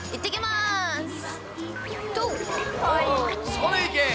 それいけ！